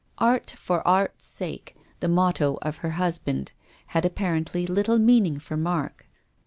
Art for Art's sake — the motto of her husband — had apparently little meaning for Mark.